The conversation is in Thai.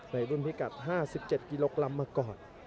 รุ่นพิกัด๕๗กิโลกรัมมาก่อน